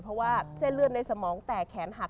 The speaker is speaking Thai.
เพราะว่าเส้นเลือดในสมองแตกแขนหัก